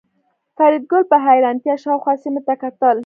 فریدګل په حیرانتیا شاوخوا سیمې ته کتل